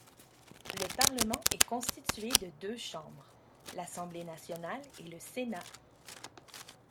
Le Parlement est constitué de deux chambres, l’Assemblée nationale et le Sénat.